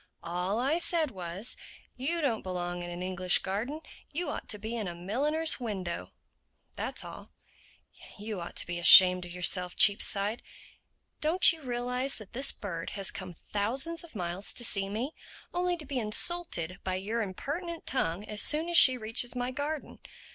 "All I said was, 'You don't belong in an English garden; you ought to be in a milliner's window.' That's all." "You ought to be ashamed of yourself, Cheapside. Don't you realize that this bird has come thousands of miles to see me—only to be insulted by your impertinent tongue as soon as she reaches my garden?